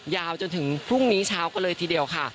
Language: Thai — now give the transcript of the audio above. ยาวจนถึงพรุ่งนี้เช้าก็เลยทีเดียวค่ะ